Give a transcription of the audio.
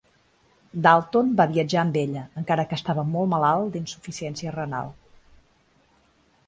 Dalton va viatjar amb ella, encara que estava molt malalt d'insuficiència renal.